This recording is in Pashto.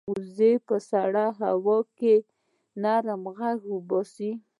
وزې په سړه هوا کې نری غږ باسي